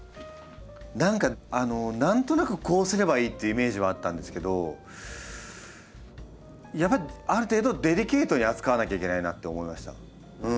何か何となくこうすればいいっていうイメージはあったんですけどやっぱりある程度デリケートに扱わなきゃいけないなって思いました。